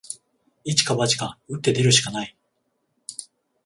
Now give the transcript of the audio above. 一か八か、打って出るしかない